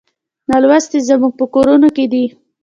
نالوستي زموږ په کورونو کې دي.